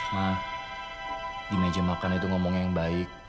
mah di meja makan itu ngomongnya yang baik